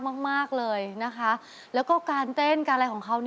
เป็นไงท่าเต้นของเขา